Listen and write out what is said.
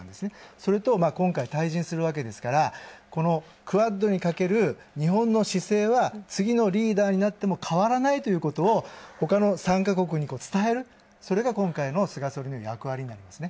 それと、今回、退陣するわけですから、Ｑｕａｄにかける日本の姿勢は次のリーダーになっても変わらないということをほかの３か国に伝える、それが今回の菅総理の役割なんですね。